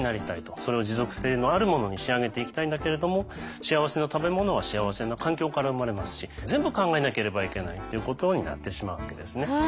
それを持続性のあるものに仕上げていきたいんだけれども幸せな食べ物は幸せな環境から生まれますし全部考えなければいけないということになってしまうわけですね。